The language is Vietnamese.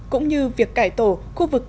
cũng như việc cải tổ khu vực